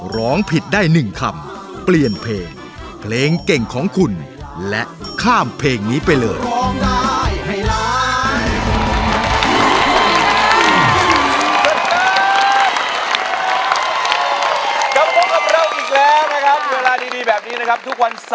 ร้องผิดได้๑คำเปลี่ยนเพลงเพลงเก่งของคุณและข้ามเพลงนี้ไปเลย